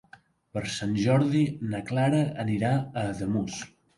Per Sant Jordi na Clara anirà a Ademús.